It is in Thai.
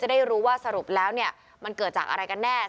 จะได้รู้ว่าสรุปแล้วมันเกิดจากอะไรกันแน่กระดิงกนะ